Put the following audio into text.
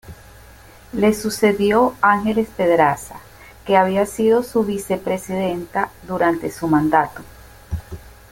Le sucedió Ángeles Pedraza, que había sido su vicepresidenta durante su mandato.